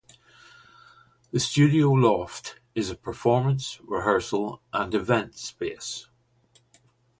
The Studio Loft is a performance, rehearsal and event space.